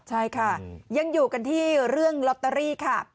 ใช่ค่ะยังอยู่กันที่เรื่องลอตเตอรี่ค่ะ